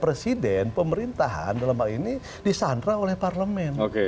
presiden pemerintahan dalam hal ini disandra oleh parlemen